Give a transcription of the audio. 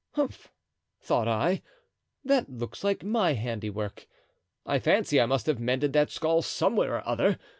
'Humph!' thought I, 'that looks like my handiwork; I fancy I must have mended that skull somewhere or other.